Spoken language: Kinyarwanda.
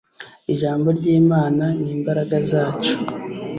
ijambo ry'imana, ni imbaraga zacu